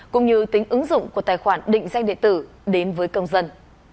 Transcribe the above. cũng như tính ứng dụng của tài khoản định danh địa tử đến với công dân